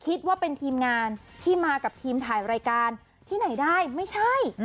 คิดว่าเป็นทีมงานที่มากับทีมถ่ายรายการที่ไหนได้ไม่ใช่